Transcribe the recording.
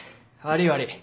悪い悪い。